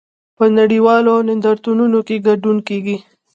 په نړیوالو نندارتونونو کې ګډون کیږي